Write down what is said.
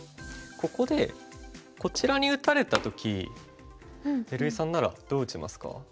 ここでこちらに打たれた時照井さんならどう打ちますか？